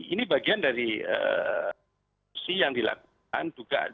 ini bagian dari fungsi yang dilakukan